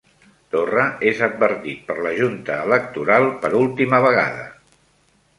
Torra és advertit per la Junta Electoral per última vegada